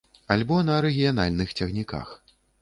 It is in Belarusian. Альбо на рэгіянальных цягніках.